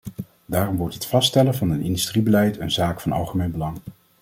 Daarom wordt het vaststellen van een industriebeleid een zaak van algemeen belang.